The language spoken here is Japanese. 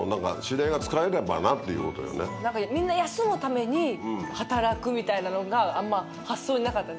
みんな休むために働くみたいなのがあんま発想になかったです。